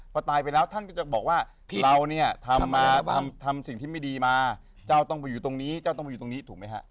พอตายเกิดแล้วท่านจะบอกว่าท่านต้องมาสิ่งนั้น